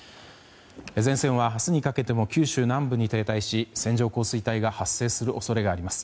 前線は明日にかけても九州南部に停滞し線状降水帯が発生する恐れがあります。